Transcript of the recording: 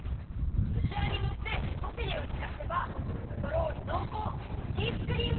うつわにもってパセリをちらせばとろりのうこう